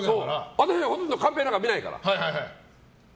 俺はほとんどカンペなんか見ないから。